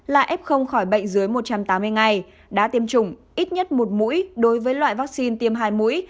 là f khỏi bệnh dưới một trăm tám mươi ngày đã tiêm chủng ít nhất một mũi đối với loại vaccine tiêm hai mũi